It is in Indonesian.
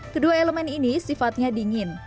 kedua elemen ini sifatnya dingin